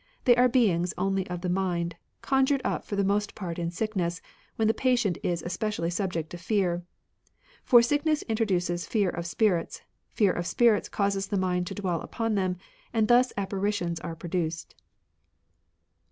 They are beings only of the mind, conjured up for the most part in sickness, when the patient is especially subject to fear. For sickness induces fear of spirits ; fear of spirits causes the mind to dwell upon them ; and thus apparitions are produced."